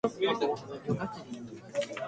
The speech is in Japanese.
空気をお尻から吸ってみます。